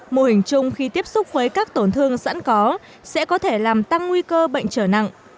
mô hình chung khi tiếp xúc với các tổn thương sẵn có sẽ có thể làm tăng nguy cơ bệnh trở nặng